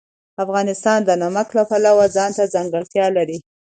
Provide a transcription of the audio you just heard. افغانستان د نمک د پلوه ځانته ځانګړتیا لري.